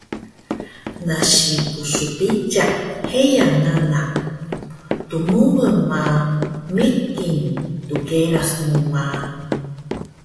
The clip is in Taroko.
nasi psbiciq heya nanak, dmurun ma migin dqeras mu ma